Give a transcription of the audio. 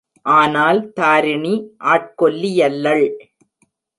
ஆனால் தாரிணி ஆட்கொல்லி யல்லள்!